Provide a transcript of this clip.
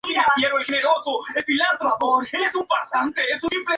En la obligación de dar, el deudor cumple pagando con el único objeto debido.